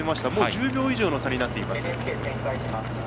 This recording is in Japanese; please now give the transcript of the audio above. １０秒以上の差になっています。